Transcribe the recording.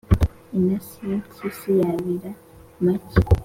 Intasi y’impyisi yabira maka.